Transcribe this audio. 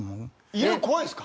犬怖いんですか？